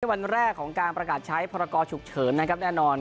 วันแรกของการประกาศใช้พรกรฉุกเฉินนะครับแน่นอน